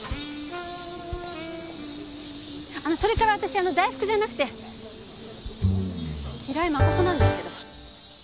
あのそれから私大福じゃなくて平井真琴なんですけど。